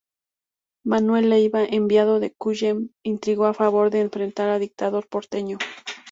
Manuel Leiva, enviado de Cullen, intrigó a favor de enfrentar al dictador porteño.